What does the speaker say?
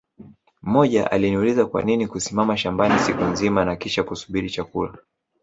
Mmoja aliniuliza Kwanini kusimama shambani siku nzima na kisha kusubiri chakula